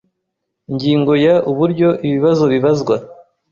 Ingingo ya Uburyo ibibazo bibazwa